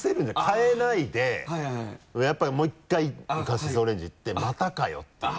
変えないでやっぱりもう１回カシスオレンジいって「またかよ」っていう。